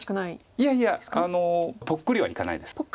いやいやぽっくりはいかないです。